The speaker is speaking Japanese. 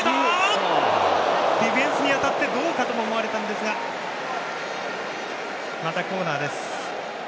ディフェンスに当たってどうかと思われましたがまた、コーナーです。